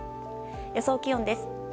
予想気温です。